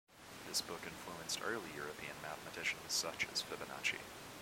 This book influenced early European mathematicians such as Fibonacci.